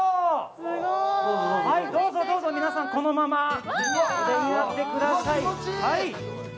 どうぞどうぞ、皆さんこのままお出になってください。